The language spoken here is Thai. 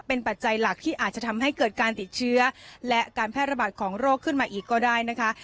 เป็นปัจจัยหลักที่อาจจะทำให้เกิดการติดเชื้อและการแพร่ระบาดของโรคขึ้นมาอีกก็ได้นะคะ